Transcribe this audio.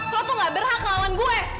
lo tuh gak berhak lawan gue